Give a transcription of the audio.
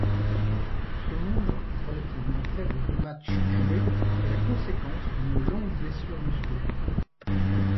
Ce nombre relativement faible de matchs joués est la conséquence d'une longue blessure musculaire.